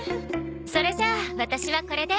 それじゃあワタシはこれで。